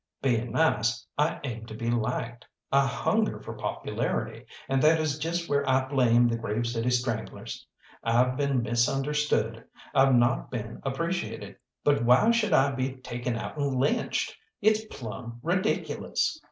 Being nice, I aim to be liked, I hunger for popularity, and that is just where I blame the Grave City Stranglers. I've been misunderstood, I've not been appreciated, but why should I be taken out and lynched? It's plumb ridiculous!